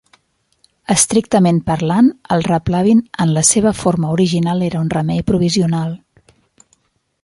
Estrictament parlant, el replevin en la seva forma original era un remei provisional.